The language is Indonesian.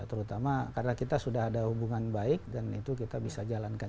terutama karena kita sudah ada hubungan baik dan itu kita bisa jalankan